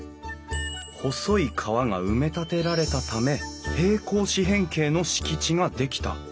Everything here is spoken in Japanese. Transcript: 細い川が埋め立てられたため平行四辺形の敷地が出来た。